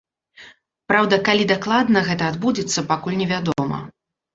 Праўда, калі дакладна гэта адбудзецца, пакуль невядома.